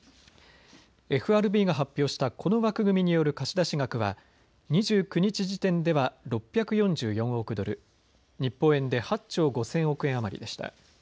ＦＲＢが発表したこの枠組みによる貸出額は２９日時点では６４４億ドル、日本円で８兆５０００億円余りでした。